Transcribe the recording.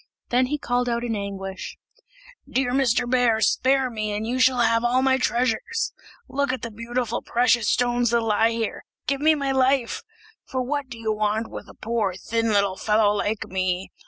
Then he called out in anguish, "Dear Mr. Bear, spare me, and you shall have all my treasures; look at the beautiful precious stones that lie there. Give me my life! for what do you want with a poor thin little fellow like me?